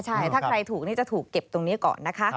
ใช่ถ้าใครถูกนี่จะถูกเก็บตรงนี้ก่อนนะคะ